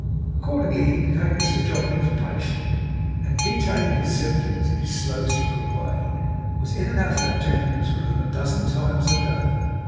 Accordingly, he became Mr Jobling's patient; and detailing his symptoms in his slow and secret way, was in and out of that gentleman's room a dozen times a day.